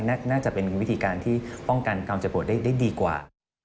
น่าจะเป็นวิธีการที่ป้องกันความเจ็บปวดได้ดีกว่า